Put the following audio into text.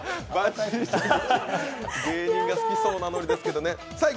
芸人が好きそうなノリですけどね。